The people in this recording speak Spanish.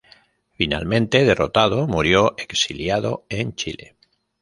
Finalmente derrotado, murió exiliado en Chile.